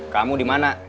kamu di mana